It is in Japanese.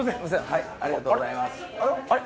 はいありがとうございますあれ？